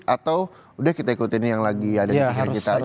atau udah kita ikutin yang lagi ada di pikir kita aja